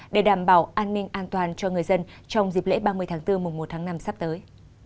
để đảm bảo an ninh an toàn cho người dân trong dịp lễ ba mươi tháng bốn mùa một tháng năm sắp tới